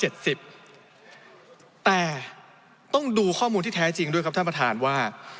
แต่ต้องดูข้อมูลที่แท้จริงด้วยครับท่านประธานว่า